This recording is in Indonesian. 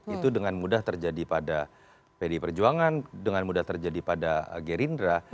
itu dengan mudah terjadi pada pdi perjuangan dengan mudah terjadi pada gerindra